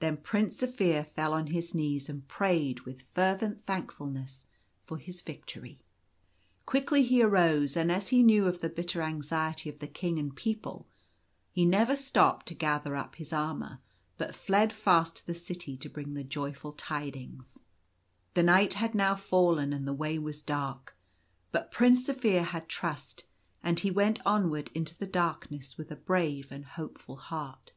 Then Prince Zaphir fell on his knees and prayed with fervent thankfulness for his victory. Quickly he arose, and, as he knew of the bitter anxiety of the King and people, h? never stopped to gather up his armour, but fled fast to the City to bring the joyful tidings. The night had now fallen and the way was dark; but Prince Zaphir had trust, and he went onward into the darkness with a brave and hopeful heart.